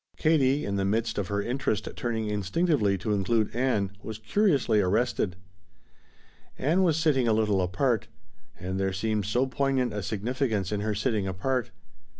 Katie, in the midst of her interest turning instinctively to include Ann, was curiously arrested. Ann was sitting a little apart. And there seemed so poignant a significance in her sitting apart.